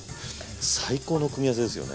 最高の組み合わせですよね。